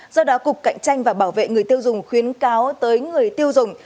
do đó cục cạnh tranh và bảo vệ người tiêu dùng khuyến cáo tới người tiêu dùng